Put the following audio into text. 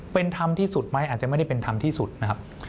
เป็นธรรมที่สุดไหมอาจจะไม่ได้เป็นธรรมที่สุดนะครับ